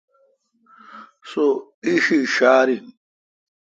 سو ا ایݭی ݭار ا۔ ین